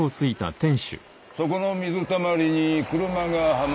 そこの水たまりに車がはまって。